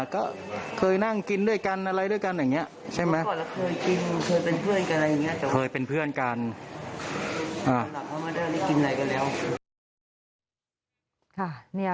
ก็เคยนั่งกินด้วยกันอะไรด้วยกันอย่างนี้ใช่ไหม